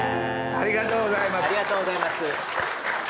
ありがとうございます。